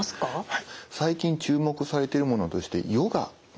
はい。